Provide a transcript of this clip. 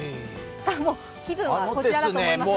もう、気分はこちらだと思います。